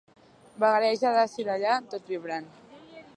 Vagareja d'ací d'allà, tot vibrant.